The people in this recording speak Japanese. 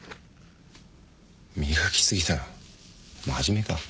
磨き過ぎだろ真面目か。